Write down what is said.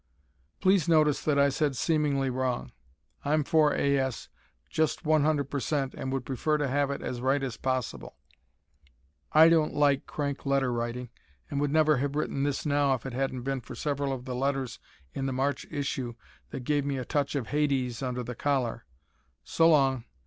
Please notice that I said seemingly wrong. I'm for A. S. just one hundred per cent and would prefer to have it as right as possible. I don't like crank letter writing and would never have written this now if it hadn't been for several of the letters in the March issue that gave me a touch of hades under the collar. S'long.